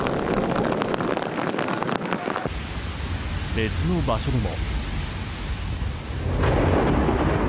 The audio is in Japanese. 別の場所でも。